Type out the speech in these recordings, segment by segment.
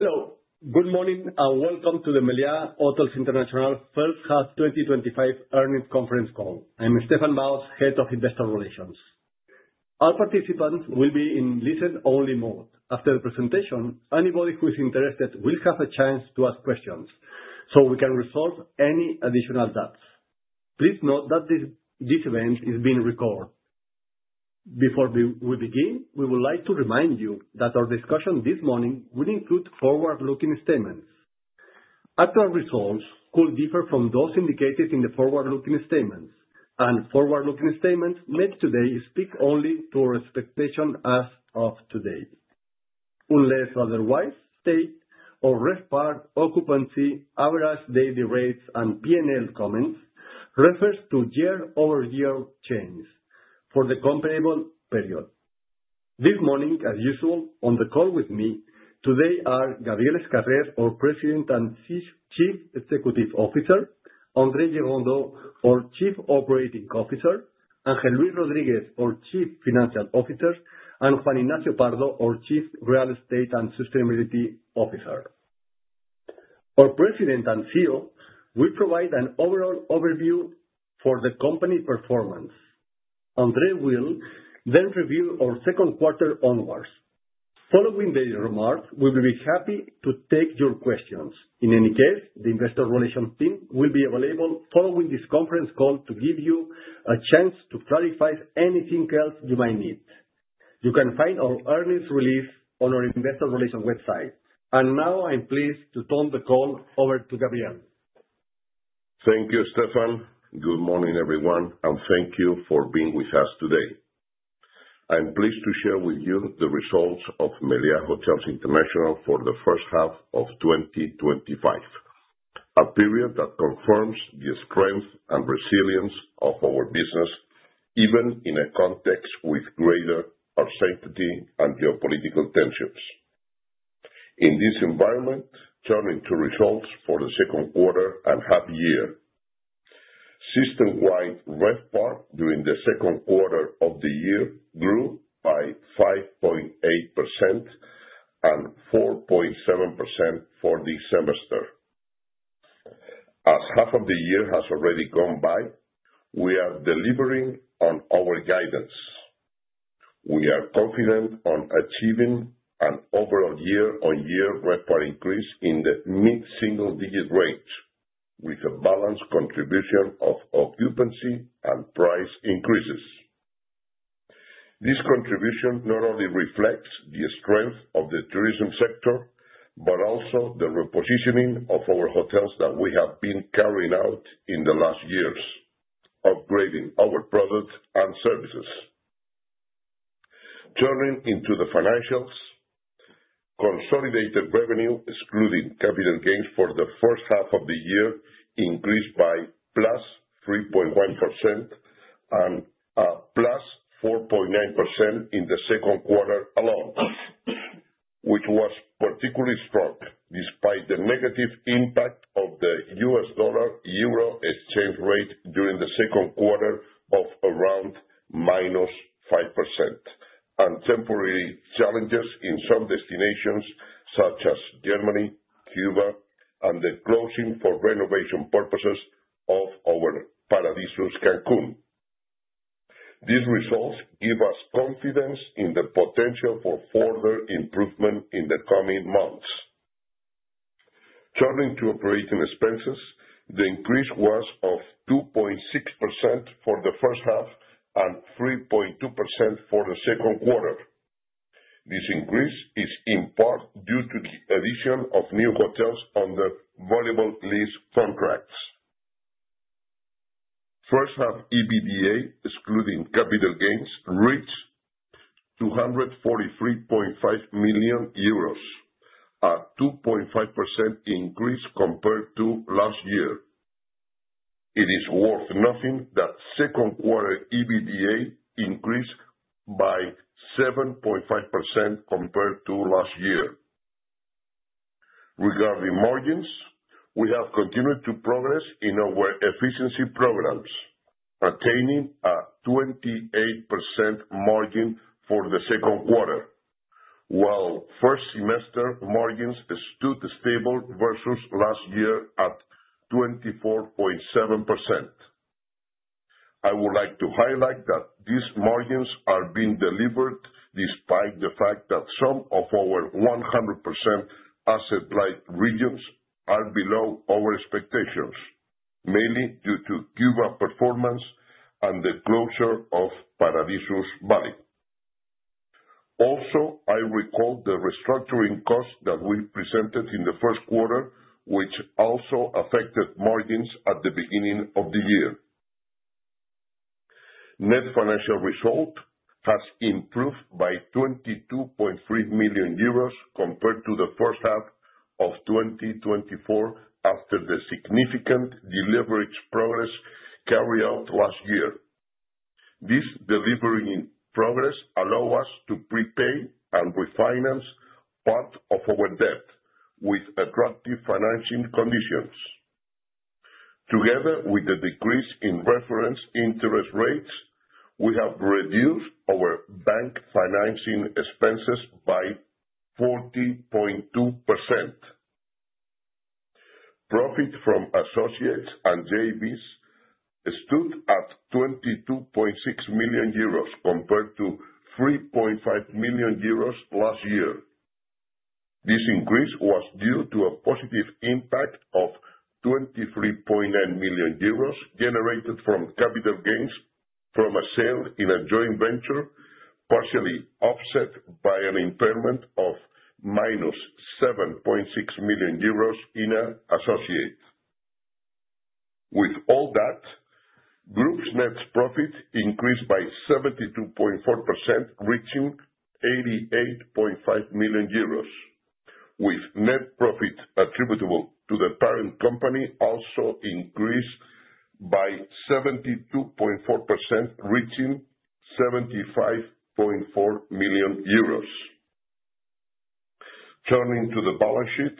Hello. Good morning and welcome to the Meliá Hotels International First Half 2025 Earnings Conference Call. I'm Stéphane Baos, Head of Investor Relations. Our participants will be in listen-only mode. After the presentation, anybody who is interested will have a chance to ask questions so we can resolve any additional doubts. Please note that this event is being recorded. Before we begin, we would like to remind you that our discussion this morning will include forward-looking statements. Actual results could differ from those indicated in the forward-looking statements, and forward-looking statements made today speak only to our expectation as of today. Unless otherwise stated with respect to occupancy, average daily rates, and P&L comments refer to year-over-year change for the comparable period. This morning, as usual, on the call with me today are Gabriel Escarrer, our President and Chief Executive Officer, André Gerondeau, our Chief Operating Officer, Ángel Luis Rodríguez, our Chief Financial Officer, and Juan Ignacio Pardo, our Chief Real Estate and Sustainability Officer. Our President and CEO will provide an overall overview for the company performance. André will then review our second quarter onwards. Following their remarks, we will be happy to take your questions. In any case, the Investor Relations team will be available following this conference call to give you a chance to clarify anything else you might need. You can find our earnings release on our Investor Relations website. Now I'm pleased to turn the call over to Gabriel. Thank you, Stéphane. Good morning, everyone, and thank you for being with us today. I'm pleased to share with you the results of Meliá Hotels International for the first half of 2025, a period that confirms the strength and resilience of our business even in a context with greater uncertainty and geopolitical tensions. In this environment, turning to results for the second quarter and half-year, system-wide RevPAR during the second quarter of the year grew by 5.8% and 4.7% for the semester. As half of the year has already gone by, we are delivering on our guidance. We are confident on achieving an overall year-on-year RevPAR increase in the mid-single-digit range with a balanced contribution of occupancy and price increases. This contribution not only reflects the strength of the tourism sector but also the repositioning of our hotels that we have been carrying out in the last years, upgrading our product and services. Turning to the financials, consolidated revenue, excluding capital gains, for the first half of the year increased by plus 3.1% and plus 4.9% in the second quarter alone, which was particularly strong despite the negative impact of the USD/EUR exchange rate during the second quarter of around minus 5% and temporary challenges in some destinations such as Germany, Cuba, and the closing for renovation purposes of our Paradisus Cancún. These results give us confidence in the potential for further improvement in the coming months. Turning to operating expenses, the increase was of 2.6% for the first half and 3.2% for the second quarter. This increase is in part due to the addition of new hotels under variable lease contracts. First-half EBITDA, excluding capital gains, reached 243.5 million euros, a 2.5% increase compared to last year. It is worth noting that second-quarter EBITDA increased by 7.5% compared to last year. Regarding margins, we have continued to progress in our efficiency programs, attaining a 28% margin for the second quarter, while first-semester margins stood stable versus last year at 24.7%. I would like to highlight that these margins are being delivered despite the fact that some of our 100% asset-light regions are below our expectations, mainly due to Cuba's performance and the closure of Paradisus Varadero. Also, I recall the restructuring costs that we presented in the first quarter, which also affected margins at the beginning of the year. Net financial result has improved by €22.3 million compared to the first half of 2024 after the significant delivery progress carried out last year. This delivery progress allows us to prepay and refinance part of our debt with attractive financing conditions. Together with the decrease in reference interest rates, we have reduced our bank financing expenses by 40.2%. Profit from associates and JVs stood at €22.6 million compared to €3.5 million last year. This increase was due to a positive impact of €23.9 million generated from capital gains from a sale in a joint venture, partially offset by an impairment of minus €7.6 million in an associate. With all that, group's net profit increased by 72.4%, reaching €88.5 million, with net profit attributable to the parent company also increased by 72.4%, reaching €75.4 million. Turning to the balance sheet,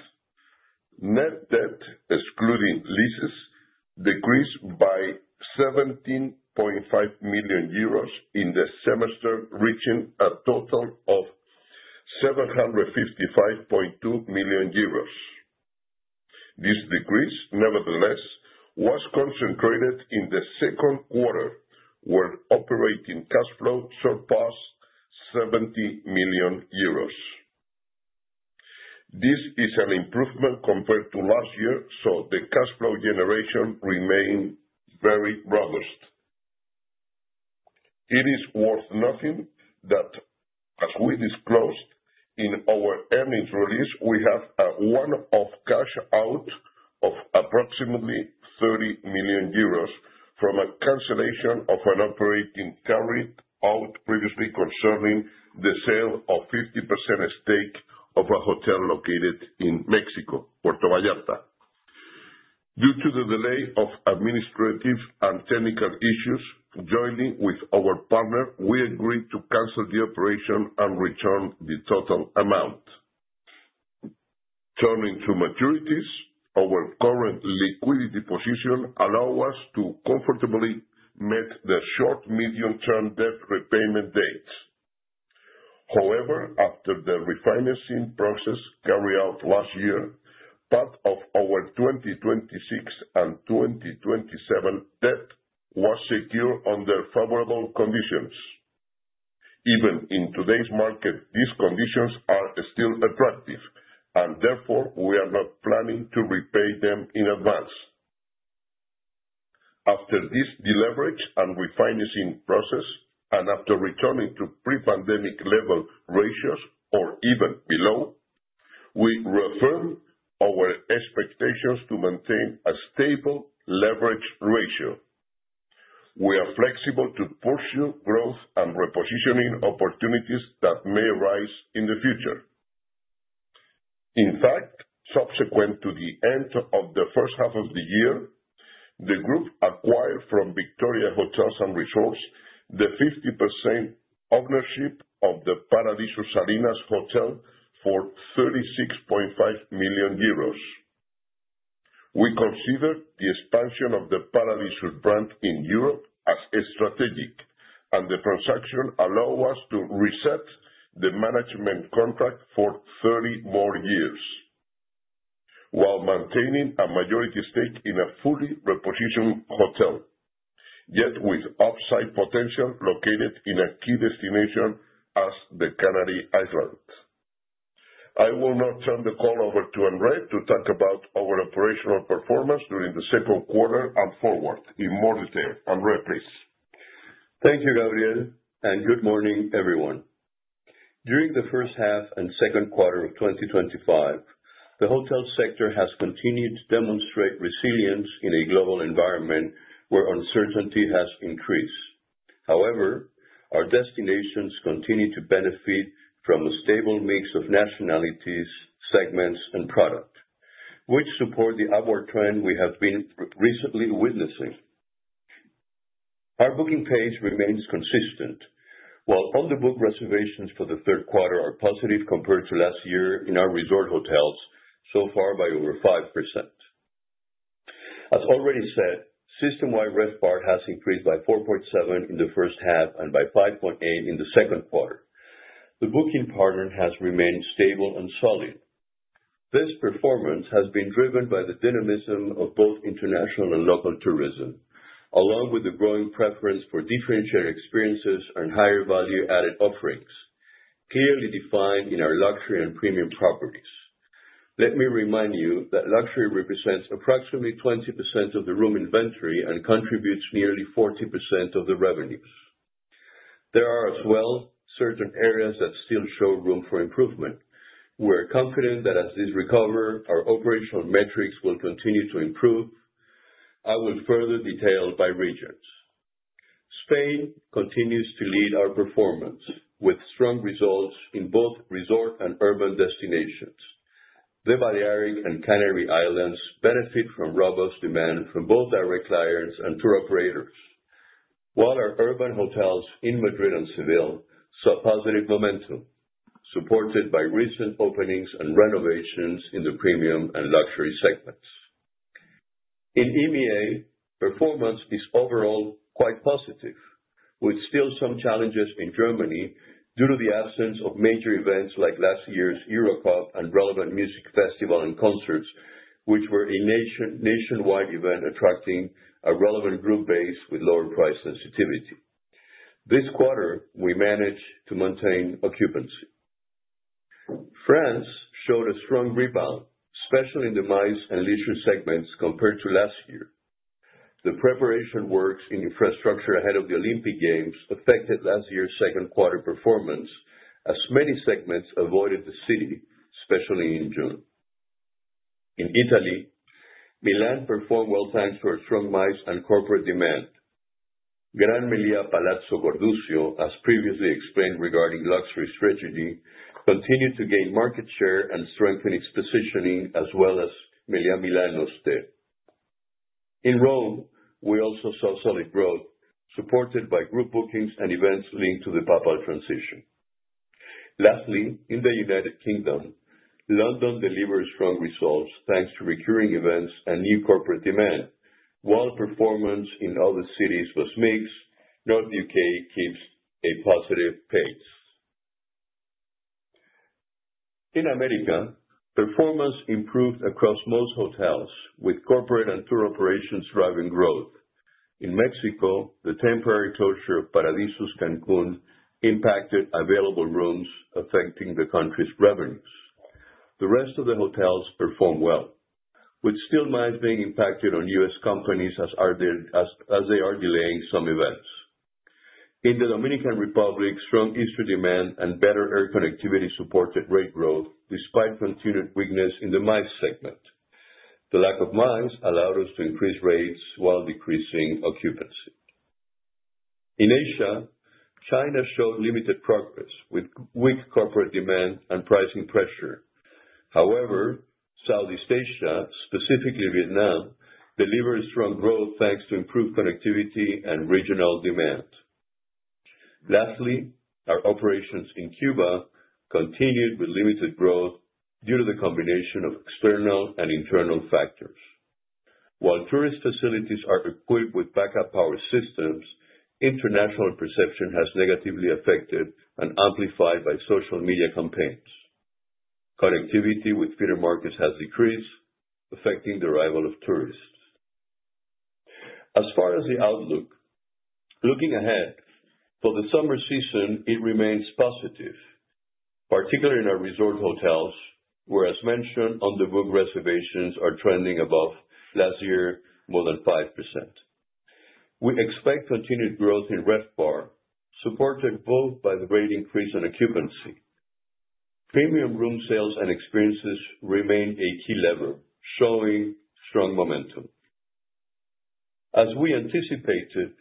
net debt, excluding leases, decreased by 17.5 million euros in the semester, reaching a total of 755.2 million euros. This decrease, nevertheless, was concentrated in the second quarter, where operating cash flow surpassed 70 million euros. This is an improvement compared to last year, so the cash flow generation remained very robust. It is worth noting that, as we disclosed in our earnings release, we have a one-off cash out of approximately 30 million euros from a cancellation of an operation carried out previously concerning the sale of 50% stake of a hotel located in Mexico, Puerto Vallarta. Due to the delay of administrative and technical issues, together with our partner, we agreed to cancel the operation and return the total amount. Turning to maturities, our current liquidity position allows us to comfortably meet the short-medium-term debt repayment dates. However, after the refinancing process carried out last year, part of our 2026 and 2027 debt was secured under favorable conditions. Even in today's market, these conditions are still attractive, and therefore we are not planning to repay them in advance. After this deleverage and refinancing process, and after returning to pre-pandemic level ratios or even below, we reaffirm our expectations to maintain a stable leverage ratio. We are flexible to pursue growth and repositioning opportunities that may arise in the future. In fact, subsequent to the end of the first half of the year, the group acquired from Victoria Hotels & Resorts the 50% ownership of the Paradisus Salinas Lanzarote for 36.5 million euros. We consider the expansion of the Paradisus brand in Europe as strategic, and the transaction allows us to reset the management contract for 30 more years, while maintaining a majority stake in a fully repositioned hotel, yet with upside potential located in a key destination as the Canary Islands. I will now turn the call over to André to talk about our operational performance during the second quarter and forward in more detail. André, please. Thank you, Gabriel, and good morning, everyone. During the first half and second quarter of 2025, the hotel sector has continued to demonstrate resilience in a global environment where uncertainty has increased. However, our destinations continue to benefit from a stable mix of nationalities, segments, and product, which support the upward trend we have been recently witnessing. Our booking pace remains consistent, while on-the-book reservations for the third quarter are positive compared to last year in our resort hotels, so far by over 5%. As already said, system-wide RevPAR has increased by 4.7% in the first half and by 5.8% in the second quarter. The booking pattern has remained stable and solid. This performance has been driven by the dynamism of both international and local tourism, along with the growing preference for differentiated experiences and higher value-added offerings, clearly defined in our luxury and premium properties. Let me remind you that luxury represents approximately 20% of the room inventory and contributes nearly 40% of the revenues. There are, as well, certain areas that still show room for improvement. We are confident that as these recover, our operational metrics will continue to improve. I will further detail by regions. Spain continues to lead our performance with strong results in both resort and urban destinations. The Balearic and Canary Islands benefit from robust demand from both direct clients and tour operators, while our urban hotels in Madrid and Seville saw positive momentum, supported by recent openings and renovations in the premium and luxury segments. In EMEA, performance is overall quite positive, with still some challenges in Germany due to the absence of major events like last year's Euro Cup and relevant music festival and concerts, which were a nationwide event attracting a relevant group base with lower price sensitivity. This quarter, we managed to maintain occupancy. France showed a strong rebound, especially in the MICE and leisure segments compared to last year. The preparation works in infrastructure ahead of the Olympic Games affected last year's second quarter performance, as many segments avoided the city, especially in June. In Italy, Milan performed well thanks to our strong MICE and corporate demand. Gran Meliá Palazzo Cordusio, as previously explained regarding luxury strategy, continued to gain market share and strengthen its positioning as well as Meliá Milano's sta. In Rome, we also saw solid growth, supported by group bookings and events linked to the papal transition. Lastly, in the United Kingdom, London delivered strong results thanks to recurring events and new corporate demand. While performance in other cities was mixed, Northern U.K. keeps a positive pace. In America, performance improved across most hotels, with corporate and tour operations driving growth. In Mexico, the temporary closure of Paradisus Cancún impacted available rooms, affecting the country's revenues. The rest of the hotels performed well, with still MICE being impacted on US companies as they are delaying some events. In the Dominican Republic, strong Easter demand and better air connectivity supported rate growth despite continued weakness in the MICE segment. The lack of MICE allowed us to increase rates while decreasing occupancy. In Asia, China showed limited progress with weak corporate demand and pricing pressure. However, Southeast Asia, specifically Vietnam, delivered strong growth thanks to improved connectivity and regional demand. Lastly, our operations in Cuba continued with limited growth due to the combination of external and internal factors. While tourist facilities are equipped with backup power systems, international perception has been negatively affected and amplified by social media campaigns. Connectivity with feeder markets has decreased, affecting the arrival of tourists. As far as the outlook, looking ahead for the summer season, it remains positive, particularly in our resort hotels, where, as mentioned, on-the-book reservations are trending above last year's more than 5%. We expect continued growth in RevPAR, supported both by the rate increase and occupancy. Premium room sales and experiences remain a key lever, showing strong momentum. As we anticipated,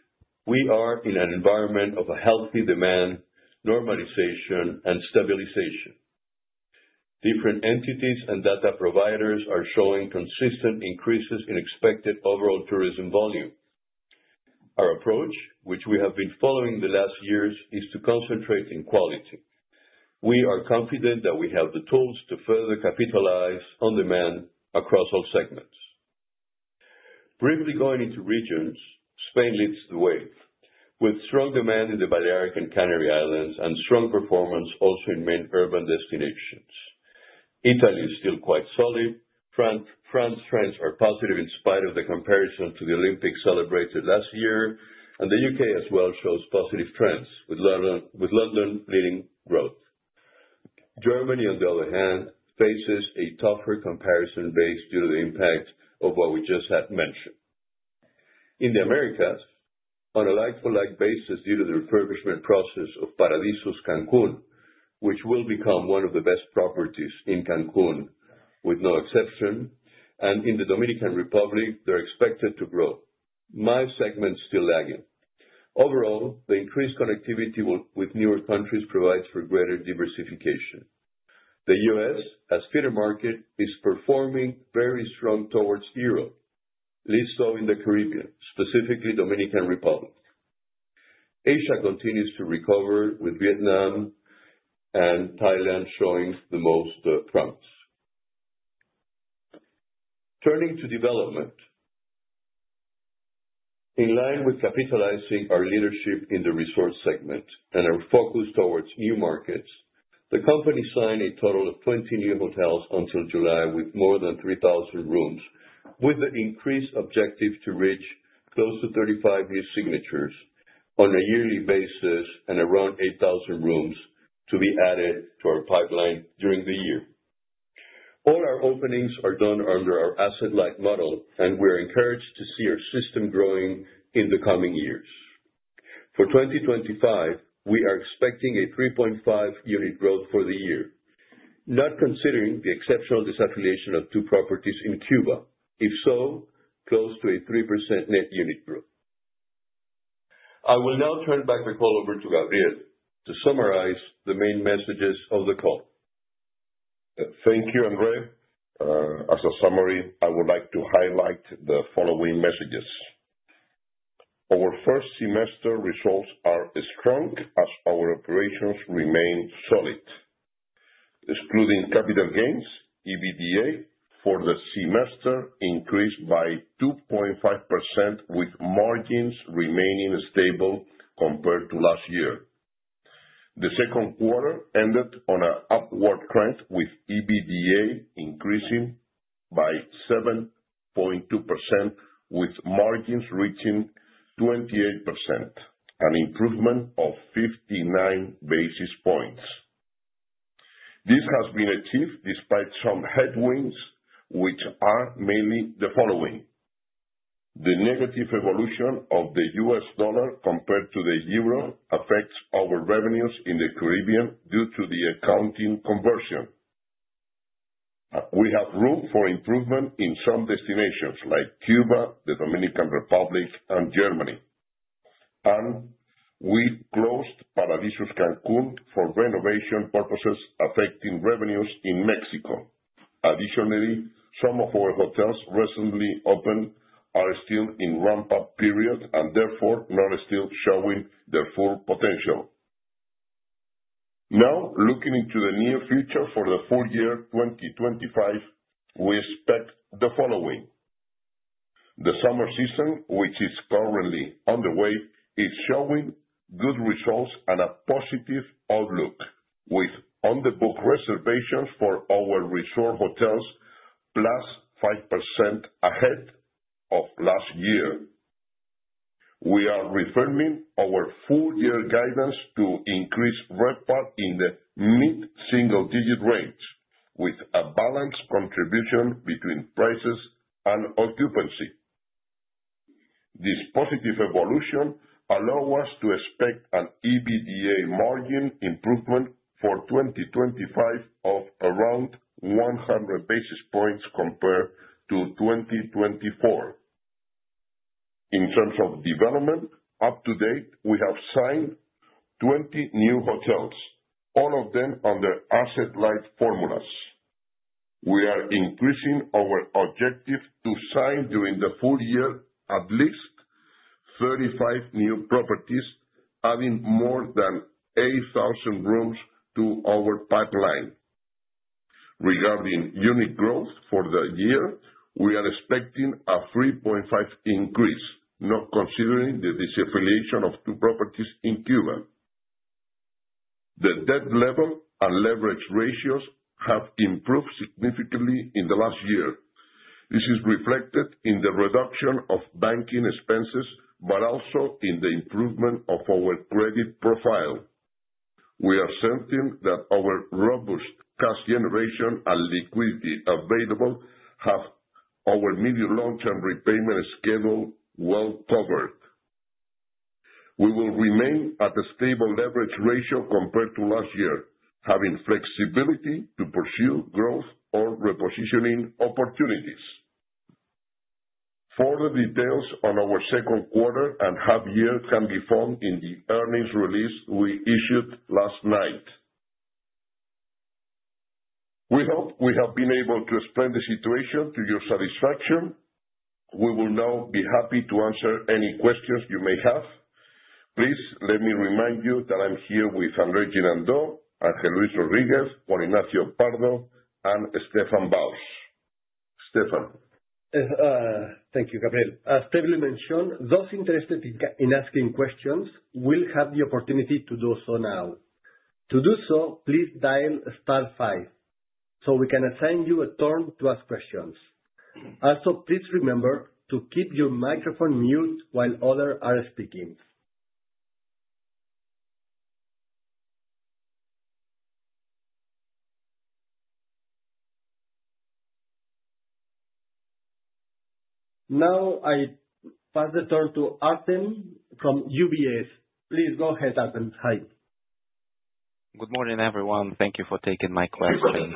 we are in an environment of a healthy demand normalization and stabilization. Different entities and data providers are showing consistent increases in expected overall tourism volume. Our approach, which we have been following the last years, is to concentrate in quality. We are confident that we have the tools to further capitalize on demand across all segments. Briefly going into regions, Spain leads the way, with strong demand in the Balearic Islands and Canary Islands and strong performance also in main urban destinations. Italy is still quite solid. France trends are positive in spite of the comparison to the Olympics celebrated last year, and the U.K. as well shows positive trends, with London leading growth. Germany, on the other hand, faces a tougher comparison base due to the impact of what we just had mentioned. In the Americas, on a like-for-like basis due to the refurbishment process of Paradisus Cancún, which will become one of the best properties in Cancún with no exception, and in the Dominican Republic, they're expected to grow. MICE segment is still lagging. Overall, the increased connectivity with newer countries provides for greater diversification. The U.S., as feeder market, is performing very strong towards Europe, least so in the Caribbean, specifically the Dominican Republic. Asia continues to recover, with Vietnam and Thailand showing the most promise. Turning to development, in line with capitalizing our leadership in the resort segment and our focus towards new markets, the company signed a total of 20 new hotels until July with more than 3,000 rooms, with the increased objective to reach close to 35 new signatures on a yearly basis and around 8,000 rooms to be added to our pipeline during the year. All our openings are done under our asset-light model, and we are encouraged to see our system growing in the coming years. For 2025, we are expecting a 3.5-unit growth for the year, not considering the exceptional disaffiliation of two properties in Cuba, if so, close to a 3% net unit growth. I will now turn back the call over to Gabriel to summarize the main messages of the call. Thank you, André. As a summary, I would like to highlight the following messages. Our first semester results are strong as our operations remain solid. Excluding capital gains, EBITDA for the semester increased by 2.5%, with margins remaining stable compared to last year. The second quarter ended on an upward trend, with EBITDA increasing by 7.2%, with margins reaching 28%, an improvement of 59 basis points. This has been achieved despite some headwinds, which are mainly the following: the negative evolution of the U.S. dollar compared to the euro affects our revenues in the Caribbean due to the accounting conversion. We have room for improvement in some destinations like Cuba, the Dominican Republic, and Germany, and we closed Paradisus Cancún for renovation purposes affecting revenues in Mexico. Additionally, some of our hotels recently opened are still in a ramp-up period and therefore not still showing their full potential. Now, looking into the near future for the full year 2025, we expect the following. The summer season, which is currently underway, is showing good results and a positive outlook, with on-the-book reservations for our resort hotels 5% ahead of last year. We are refirming our full-year guidance to increase RevPAR in the mid-single-digit range, with a balanced contribution between prices and occupancy. This positive evolution allows us to expect an EBITDA margin improvement for 2025 of around 100 basis points compared to 2024. In terms of development, up to date, we have signed 20 new hotels, all of them under asset-light formulas. We are increasing our objective to sign during the full year at least 35 new properties, adding more than 8,000 rooms to our pipeline. Regarding unit growth for the year, we are expecting a 3.5% increase, not considering the disaffiliation of two properties in Cuba. The debt level and leverage ratios have improved significantly in the last year. This is reflected in the reduction of banking expenses but also in the improvement of our credit profile. We are certain that our robust cash generation and liquidity available have our medium-long-term repayment schedule well covered. We will remain at a stable leverage ratio compared to last year, having flexibility to pursue growth or repositioning opportunities. Further details on our second quarter and half-year can be found in the earnings release we issued last night. We hope we have been able to explain the situation to your satisfaction. We will now be happy to answer any questions you may have. Please let me remind you that I'm here with André Gerondeau, Ángel Luis Rodríguez, Juan Ignacio Pardo, and Stéphane Baos. Stéphane. Thank you, Gabriel. As previously mentioned, those interested in asking questions will have the opportunity to do so now. To do so, please dial STAR 5 so we can assign you a turn to ask questions. Also, please remember to keep your microphone muted while others are speaking. Now, I pass the turn to Adriaan from UBS. Please go ahead, Adriaan. Hi. Good morning, everyone. Thank you for taking my question.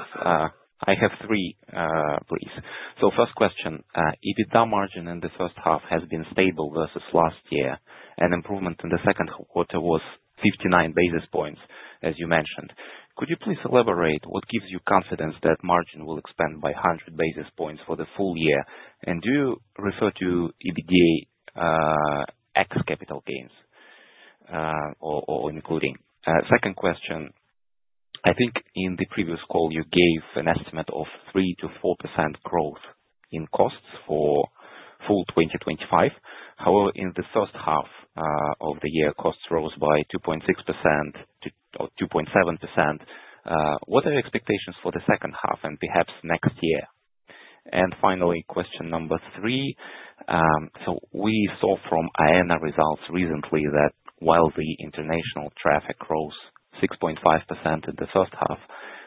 I have three briefs. So first question, if the down margin in the first half has been stable versus last year, and improvement in the second quarter was 59 basis points, as you mentioned, could you please elaborate what gives you confidence that margin will expand by 100 basis points for the full year? And do you refer to EBITDA ex capital gains or including? Second question, I think in the previous call, you gave an estimate of 3%-4% growth in costs for full 2025. However, in the first half of the year, costs rose by 2.6%-2.7%. What are your expectations for the second half and perhaps next year? And finally, question number three. So we saw from Aena results recently that while the international traffic rose 6.5% in the first half,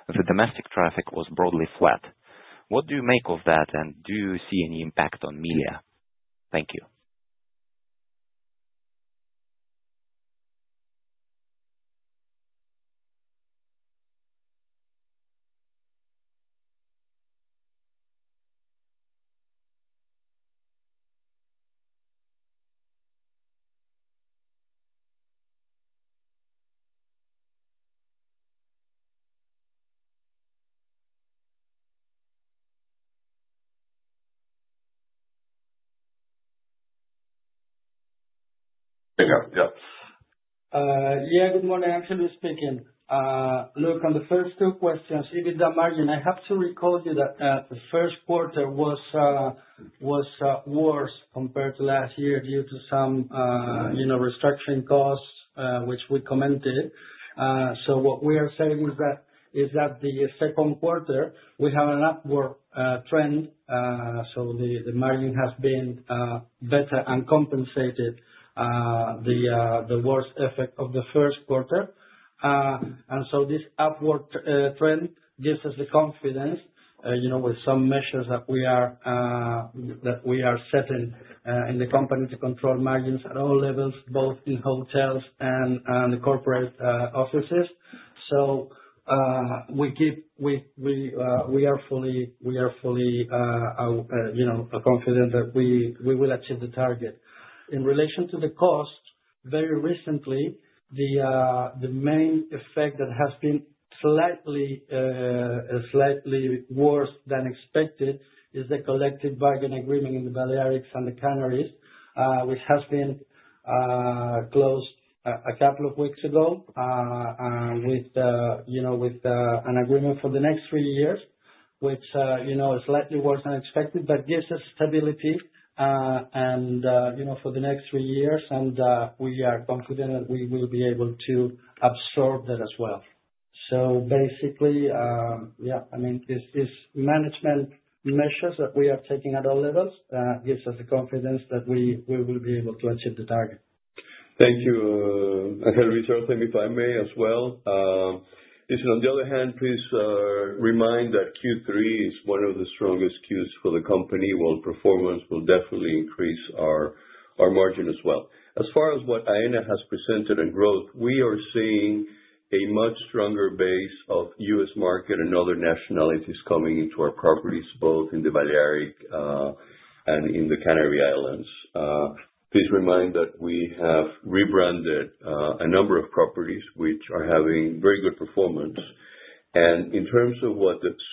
the domestic traffic was broadly flat. What do you make of that, and do you see any impact on Meliá? Thank you. Yeah, yeah. Yeah, good morning. Ángel Luis speaking. Look, on the first two questions, EBITDA margin, I have to recall to you that the first quarter was worse compared to last year due to some restructuring costs, which we commented. So what we are saying is that the second quarter, we have an upward trend. So the margin has been better and compensated the worst effect of the first quarter. And so this upward trend gives us the confidence with some measures that we are setting in the company to control margins at all levels, both in hotels and the corporate offices. So we are fully confident that we will achieve the target. In relation to the cost, very recently, the main effect that has been slightly worse than expected is the collective bargaining agreement in the Balearic Islands and the Canary Islands, which has been closed a couple of weeks ago with an agreement for the next three years, which is slightly worse than expected but gives us stability for the next three years, and we are confident that we will be able to absorb that as well, so basically, yeah, I mean, these management measures that we are taking at all levels give us the confidence that we will be able to achieve the target. Thank you, Ángel Luis Rodríguez. If I may as well, listen, on the other hand, please remind that Q3 is one of the strongest Qs for the company. Performance will definitely increase our margin as well. As far as what Aena has presented on growth, we are seeing a much stronger base of U.S. market and other nationalities coming into our properties, both in the Balearic Islands and in the Canary Islands. Please remind that we have rebranded a number of properties which are having very good performance. In terms of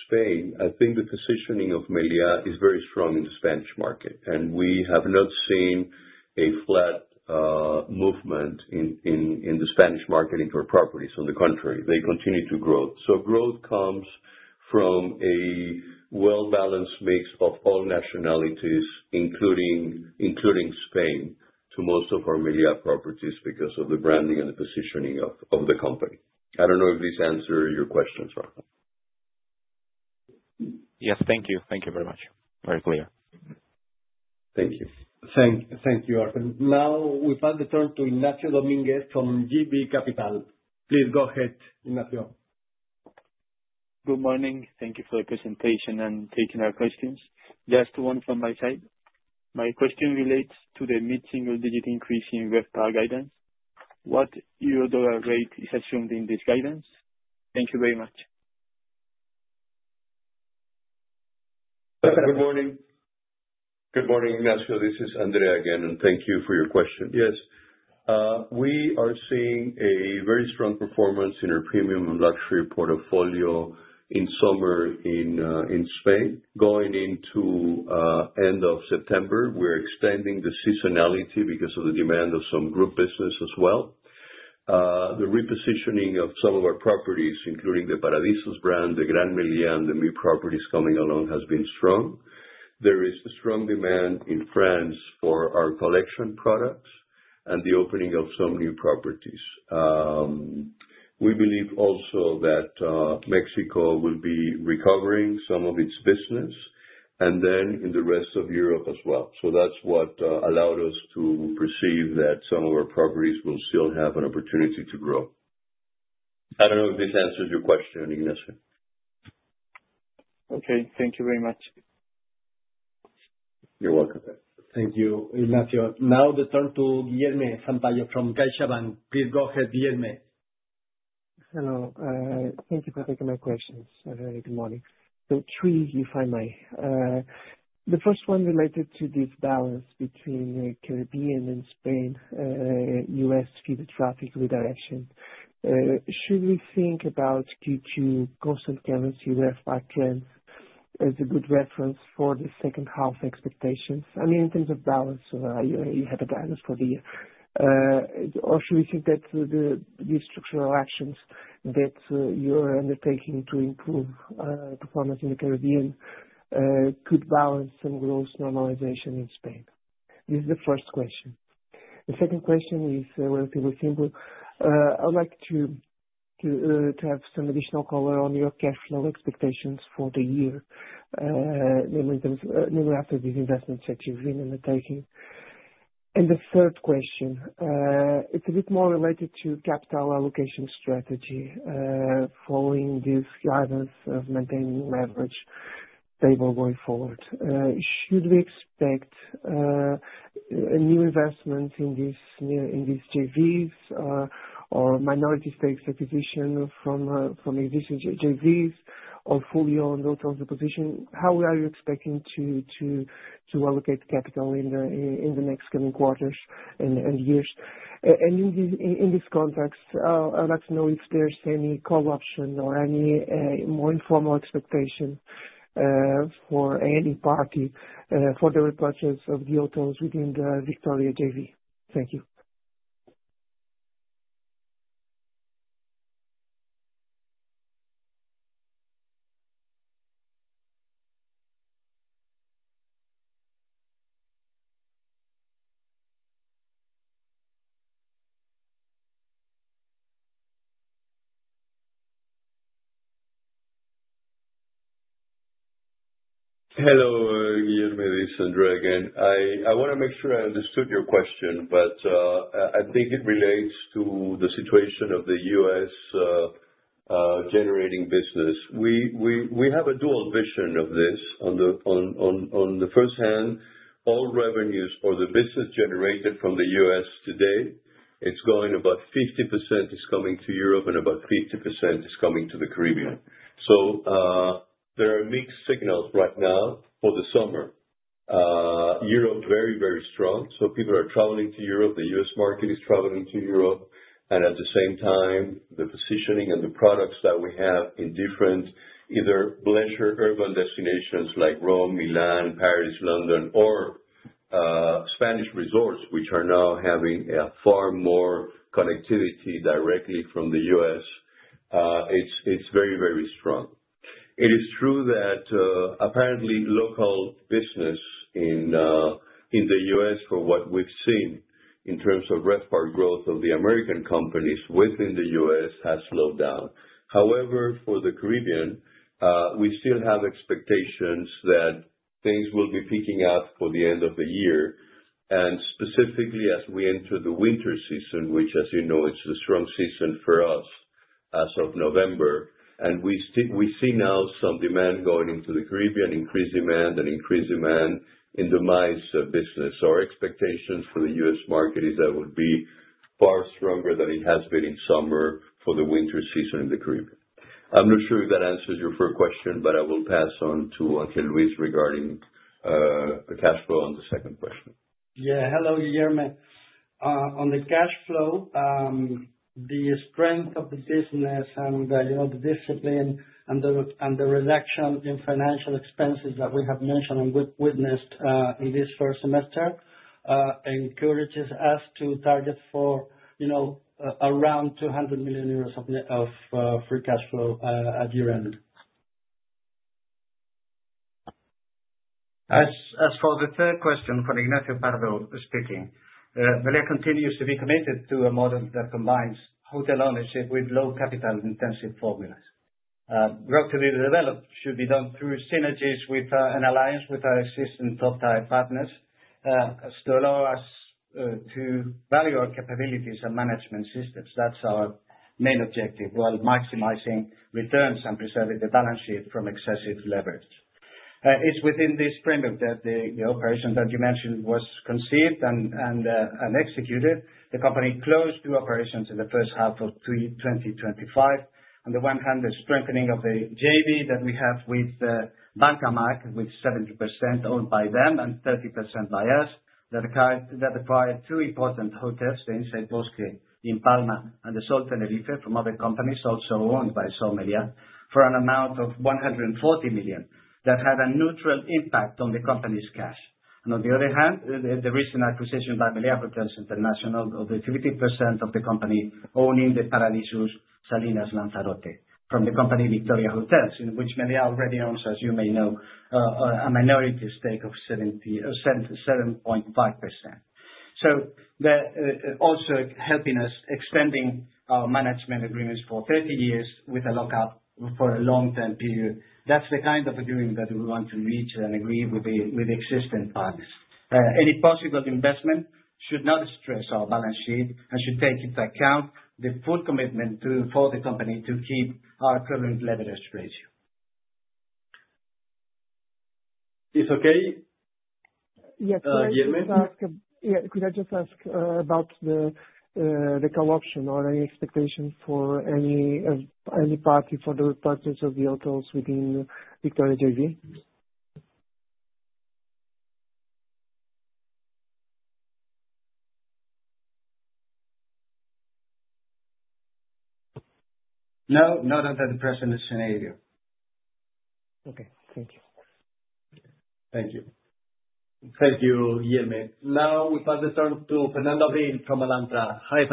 Spain, I think the positioning of Meliá is very strong in the Spanish market, and we have not seen a flat movement in the Spanish market into our properties. On the contrary, they continue to grow. So growth comes from a well-balanced mix of all nationalities, including Spain, to most of our Meliá properties because of the branding and the positioning of the company. I don't know if this answers your questions, Adriaan. Yes, thank you. Thank you very much. Very clear. Thank you. Thank you, Adriaan. Now, we pass the turn to Ignacio Domínguez from JB Capital Markets. Please go ahead, Ignacio. Good morning. Thank you for the presentation and taking our questions. Just one from my side. My question relates to the mid-single-digit increase in RevPAR guidance. What euro/dollar rate is assumed in this guidance? Thank you very much. Good morning. Good morning, Ignacio. This is André again, and thank you for your question. Yes. We are seeing a very strong performance in our premium and luxury portfolio in summer in Spain. Going into the end of September, we are extending the seasonality because of the demand of some group business as well. The repositioning of some of our properties, including the Paradisus brand, the Gran Meliá, and the new properties coming along, has been strong. There is strong demand in France for our collection products and the opening of some new properties. We believe also that Mexico will be recovering some of its business and then in the rest of Europe as well. So that's what allowed us to perceive that some of our properties will still have an opportunity to grow. I don't know if this answers your question, Ignacio. Okay. Thank you very much. You're welcome. Thank you, Ignacio. Now, the turn to Guilherme Sampaio from CaixaBank. Please go ahead, Guilherme. Hello. Thank you for taking my questions. Good morning. So, three from me. The first one related to this balance between the Caribbean and Spain, US feeder traffic redirection. Should we think about Q2 constant currency RevPAR trends as a good reference for the second half expectations? I mean, in terms of balance, you have a balance for the year. Or should we think that these structural actions that you're undertaking to improve performance in the Caribbean could balance some growth normalization in Spain? This is the first question. The second question is relatively simple. I would like to have some additional color on your cash flow expectations for the year, namely after these investments that you've been undertaking. And the third question, it's a bit more related to capital allocation strategy following this guidance of maintaining leverage stable going forward. Should we expect new investments in these JVs or minority stakes acquisition from existing JVs or fully owned hotels disposition? How are you expecting to allocate capital in the next coming quarters and years? And in this context, I'd like to know if there's any call option or any more informal expectation for any party for the repurchase of the hotels within the Victoria JV. Thank you. Hello, Guilherme. This is André again. I want to make sure I understood your question, but I think it relates to the situation of the U.S. generating business. We have a dual vision of this. On the one hand, all revenues for the business generated from the U.S. today, it's going about 50% is coming to Europe and about 50% is coming to the Caribbean. So there are mixed signals right now for the summer. Europe is very, very strong. So people are traveling to Europe. The U.S. market is traveling to Europe. And at the same time, the positioning and the products that we have in different either leisure urban destinations like Rome, Milan, Paris, London, or Spanish resorts, which are now having far more connectivity directly from the U.S., it's very, very strong. It is true that apparently local business in the U.S., for what we've seen in terms of RevPAR growth of the American companies within the U.S., has slowed down. However, for the Caribbean, we still have expectations that things will be picking up for the end of the year. And specifically, as we enter the winter season, which, as you know, it's a strong season for us as of November, and we see now some demand going into the Caribbean, increased demand and increased demand in the MICE business. Our expectations for the U.S. market is that it will be far stronger than it has been in summer for the winter season in the Caribbean. I'm not sure if that answers your first question, but I will pass on to Ángel Luis Rodríguez regarding the cash flow on the second question. Yeah. Hello, Guilherme. On the cash flow, the strength of the business and the discipline and the reduction in financial expenses that we have mentioned and witnessed in this first semester encourages us to target for around €200 million of free cash flow at year-end. As for the third question, for Ignacio Pardo speaking, Meliá continues to be committed to a model that combines hotel ownership with low-capital-intensive formulas. Road to be developed should be done through synergies with an alliance with our existing top-tier partners to allow us to value our capabilities and management systems. That's our main objective while maximizing returns and preserving the balance sheet from excessive leverage. It's within this framework that the operation that you mentioned was conceived and executed. The company closed two operations in the first half of 2025. On the one hand, the strengthening of the JV that we have with Banca March, with 70% owned by them and 30% by us, that acquired two important hotels, the INNSiDE Palma Bosque in Palma and the Sol Tenerife from other companies, also owned by Sol Meliá, for an amount of 140 million that had a neutral impact on the company's cash. And on the other hand, the recent acquisition by Meliá Hotels International of the 50% of the company owning the Paradisus Salinas Lanzarote from the company Victoria Hotels & Resorts, in which Meliá already owns, as you may know, a minority stake of 7.5%. So also helping us extending our management agreements for 30 years with a lock-up for a long-term period. That's the kind of agreement that we want to reach and agree with the existing partners. Any possible investment should not stress our balance sheet and should take into account the full commitment for the company to keep our current leverage ratio. Is okay? Yes, sorry. Guillerme? Yeah, could I just ask about the call option or any expectation for any party for the repurchase of the hotels within Victoria JV? No, not under the present scenario. Okay. Thank you. Thank you. Thank you, Guilherme. Now, we pass the turn to Fernando Abril from Alantra. Hi,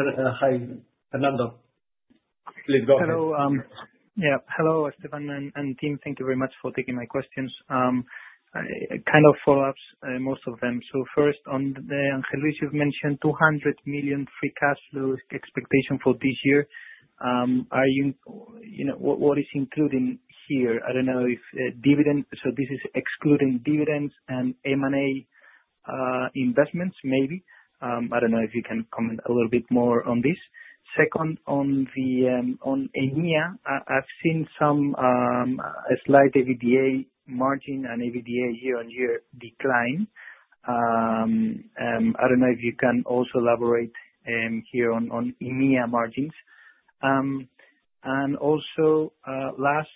Fernando. Please go ahead. Hello. Yeah. Hello, Esteban and team. Thank you very much for taking my questions. Kind of follow-ups, most of them. So first, on the Ángel Luis, you've mentioned € 200 million free cash flow expectation for this year. What is included here? I don't know if dividend, so this is excluding dividends and M&A investments, maybe. I don't know if you can comment a little bit more on this. Second, on EMEA, I've seen some slight EBITDA margin and EBITDA year-on-year decline. I don't know if you can also elaborate here on EMEA margins. And also, last,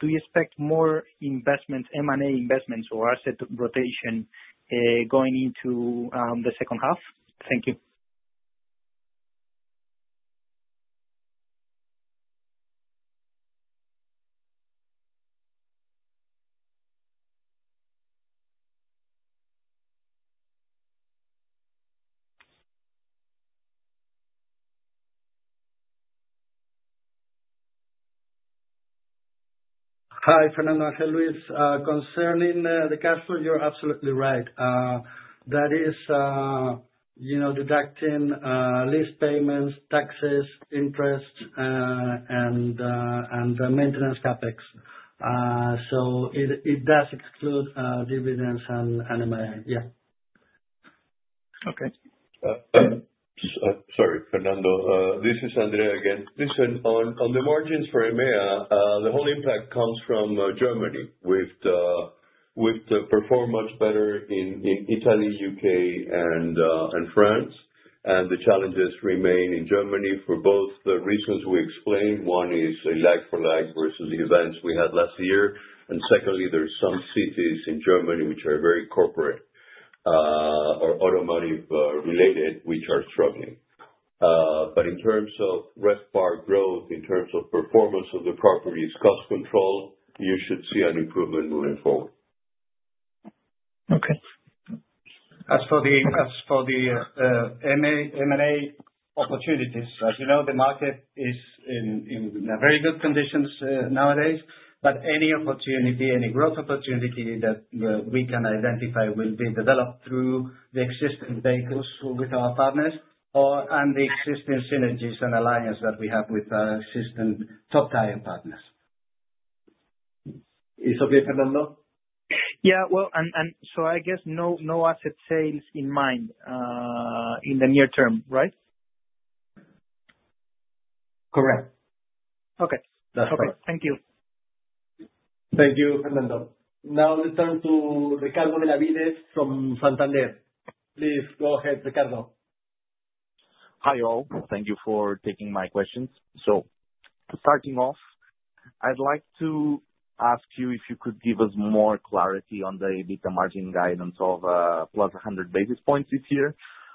do you expect more investments, M&A investments, or asset rotation going into the second half? Thank you. Hi, Fernando. Ángel Luis Rodríguez, concerning the cash flow, you're absolutely right. That is deducting lease payments, taxes, interest, and maintenance CapEx. So it does exclude dividends and M&A. Yeah. Okay. Sorry, Fernando. This is André again. Listen, on the margins for EMEA, the whole impact comes from Germany, with the performance better in Italy, U.K., and France. The challenges remain in Germany for both the reasons we explained. One is a like-for-like versus the events we had last year. And secondly, there are some cities in Germany which are very corporate or automotive-related, which are struggling. But in terms of RevPAR growth, in terms of performance of the properties, cost control, you should see an improvement moving forward. Okay. As for the M&A opportunities, as you know, the market is in very good conditions nowadays. But any opportunity, any growth opportunity that we can identify will be developed through the existing vehicles with our partners and the existing synergies and alliance that we have with our existing top-tier partners. Is okay, Fernando? Yeah. Well, and so I guess no asset sales in mind in the near term, right? Correct. Okay. That's right. Okay. Thank you. Thank you, Fernando. Now, the turn to Ricardo Benevides from Santander. Please go ahead, Ricardo. Hi all. Thank you for taking my questions. So starting off, I'd like to ask you if you could give us more clarity on the EBITDA margin guidance of plus 100 basis points this year.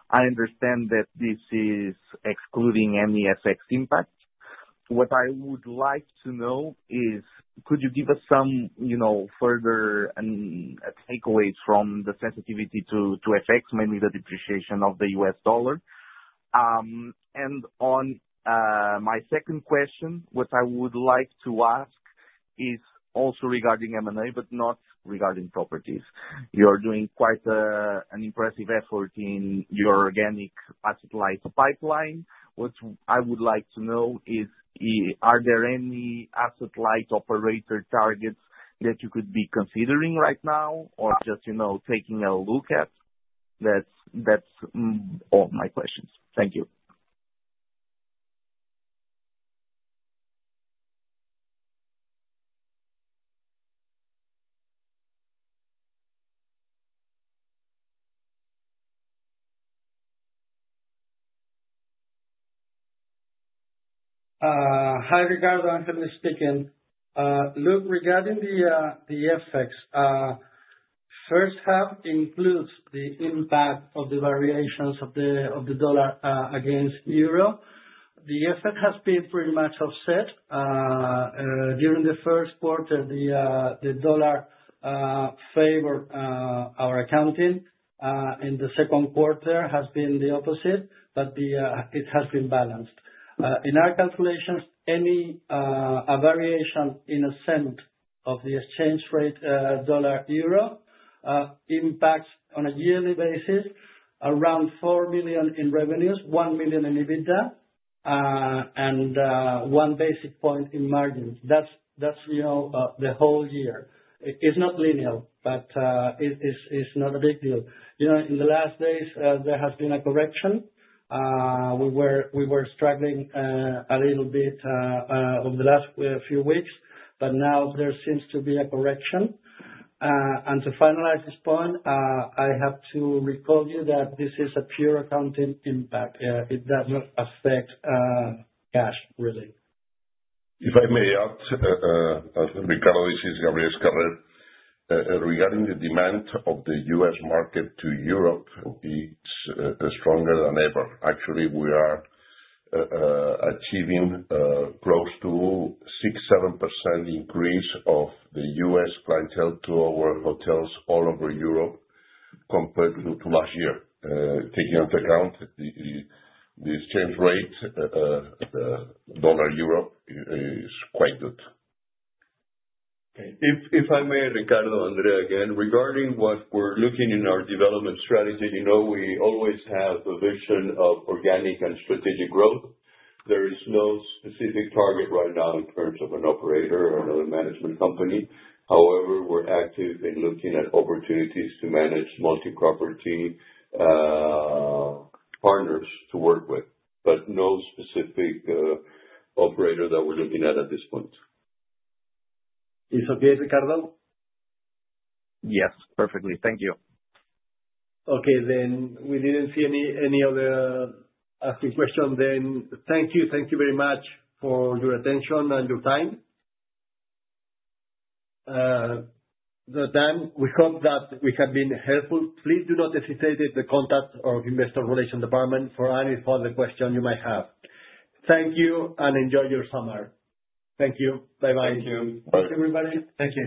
I understand that this is excluding any FX impact. What I would like to know is, could you give us some further takeaways from the sensitivity to FX, mainly the depreciation of the U.S. dollar? And on my second question, what I would like to ask is also regarding M&A, but not regarding properties. You're doing quite an impressive effort in your organic asset-light pipeline. What I would like to know is, are there any asset-light operator targets that you could be considering right now or just taking a look at? That's all my questions. Thank you. Hi, Ricardo. Ángel Luis Rodríguez speaking. Look, regarding the FX, first half includes the impact of the variations of the dollar against euro. The effect has been pretty much offset. During the first quarter, the dollar favored our accounting. In the second quarter, it has been the opposite, but it has been balanced. In our calculations, any variation in ascent of the exchange rate dollar-euro impacts on a yearly basis around €4 million in revenues, €1 million in EBITDA, and €1 basis point in margins. That's the whole year. It's not linear, but it's not a big deal. In the last days, there has been a correction. We were struggling a little bit over the last few weeks, but now there seems to be a correction. And to finalize this point, I have to recall you that this is a pure accounting impact. It does not affect cash, really. If I may add, Ricardo, this is Gabriel Escarrer. Regarding the demand of the U.S. market to Europe, it's stronger than ever. Actually, we are achieving close to 6%-7% increase of the U.S. clientele to our hotels all over Europe compared to last year. Taking into account the exchange rate, the dollar-to-euro is quite good. Okay. If I may, Ricardo, André again, regarding what we're looking in our development strategy, we always have a vision of organic and strategic growth. There is no specific target right now in terms of an operator or another management company. However, we're active in looking at opportunities to manage multi-property partners to work with, but no specific operator that we're looking at at this point. Is okay, Ricardo? Yes, perfectly. Thank you. Okay. Then we didn't see any other questions. Then thank you. Thank you very much for your attention and your time. That's done. We hope that we have been helpful. Please do not hesitate to contact our investor relations department for any further questions you might have. Thank you and enjoy your summer. Thank you. Bye-bye. Thank you. Bye. Thank you, everybody. Thank you.